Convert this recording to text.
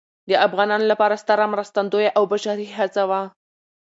د افغانانو لپاره ستره مرستندویه او بشري هڅه وه.